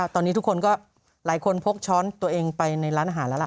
ตอนนี้ทุกคนก็หลายคนพกช้อนตัวเองไปในร้านอาหารแล้วล่ะ